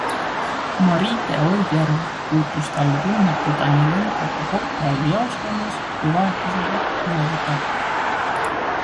Marite Oidjärv puutus talle tundmatu Danilenkoga kokku alles jaoskonnas, kui vahetuse üle võtab.